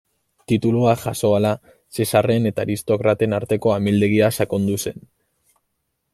Tituluak jaso ahala, Zesarren eta aristokraten arteko amildegia sakondu zen.